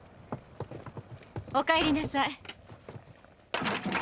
おかえりなさい。